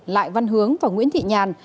lại văn hướng và nguyễn thị nhàn